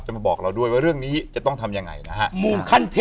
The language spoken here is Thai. มาบอกเราด้วยว่าเรื่องนี้จะต้องทำยังไงนะฮะ